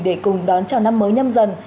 để cùng đón chào năm mới nhâm dần